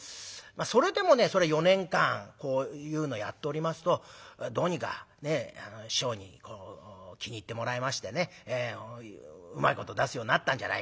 それでもねそれ４年間こういうのやっておりますとどうにか師匠に気に入ってもらえましてね「うまいこと出すようになったんじゃないか。